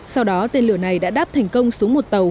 sau đó tên lửa này đã đáp thành công xuống một tàu